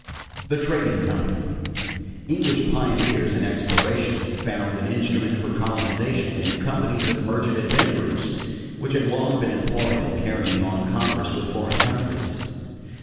=The Trading Company.= English pioneers in exploration found an instrument for colonization in companies of merchant adventurers, which had long been employed in carrying on commerce with foreign countries.